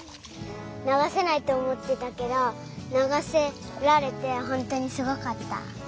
ながせないっておもってたけどながせられてほんとにすごかった。